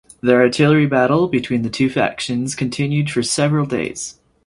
The artillery battle between the two factions continued for several days.